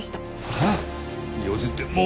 えっ４時ってもう。